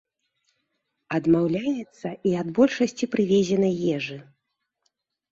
Адмаўляецца і ад большасці прывезенай ежы.